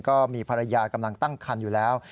ก็มีภรรยากำลังตั้งคันอยู่แล้ว